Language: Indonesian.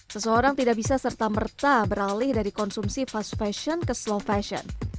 seseorang tidak bisa serta merta beralih dari konsumsi fast fashion ke slow fashion